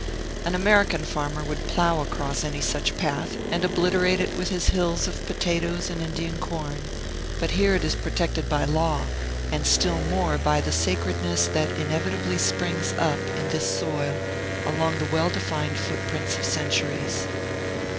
An American farmer would plough across any such path, and obliterate it with his hills of potatoes and Indian corn; but here it is protected by law, and still more by the sacredness that inevitably springs up, in this soil, along the well defined footprints of centuries.